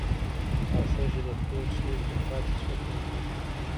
او ښځه چې د کور سيوري ته پاتې شوه، کمزورې شوه.